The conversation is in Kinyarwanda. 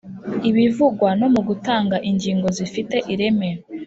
ibivugwa no mu gutanga ingingo zifiteireme